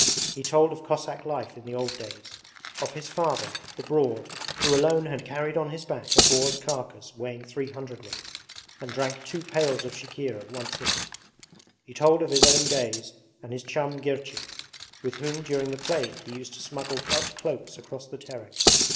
He told of Cossack life in the old days: of his father, 'The Broad', who alone had carried on his back a boar's carcass weighing three hundredweight, and drank two pails of chikhir at one sitting. He told of his own days and his chum Girchik, with whom during the plague he used to smuggle felt cloaks across the Terek.